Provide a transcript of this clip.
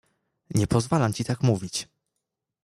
"Nie pozwalam ci tak mówić!"